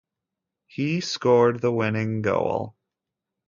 He scored the winning goal.